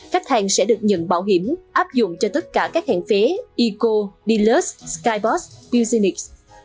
khách hàng sẽ được nhận bảo hiểm áp dụng cho tất cả các hãng vé eco deluxe skybox puginix